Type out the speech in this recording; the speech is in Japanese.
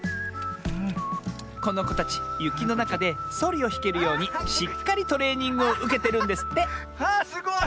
このこたちゆきのなかでそりをひけるようにしっかりトレーニングをうけてるんですってあすごい！